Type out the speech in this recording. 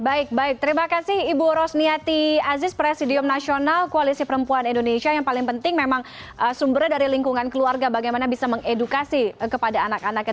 baik baik terima kasih ibu rosniati aziz presidium nasional koalisi perempuan indonesia yang paling penting memang sumbernya dari lingkungan keluarga bagaimana bisa mengedukasi kepada anak anaknya